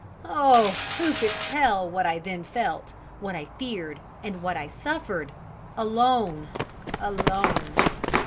Oh! who could tell what I then felt, what I feared, and what I suffered! Alone! alone!